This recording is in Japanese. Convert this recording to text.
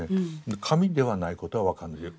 紙ではないことは分かるんですよ